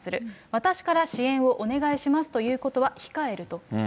私から支援をお願いしますということは控えると。